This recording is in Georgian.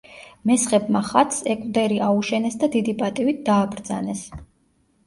მესხებმა ხატს ეკვდერი აუშენეს და დიდი პატივით დააბრძანეს.